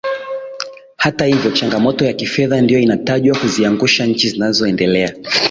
Hata hivyo changamoto ya kifedha ndio inatajwa kuziangusha nchi zinazoendelea